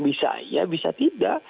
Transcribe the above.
bisa ya bisa tidak